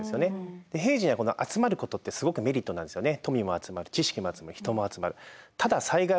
平時にはこの集まることってすごくメリットなんですよね。